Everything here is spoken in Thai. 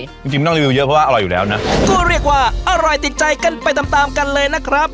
จริงจริงต้องรีวิวเยอะเพราะว่าอร่อยอยู่แล้วนะก็เรียกว่าอร่อยติดใจกันไปตามตามกันเลยนะครับ